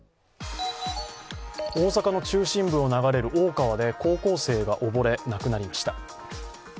大阪の中心部を流れる大川で高校生が溺れ、亡くなりました。